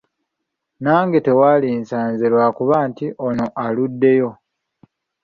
Nange tewandinsanze lw’akuba nti ono aluddeyo.